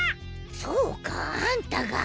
そうかあんたが。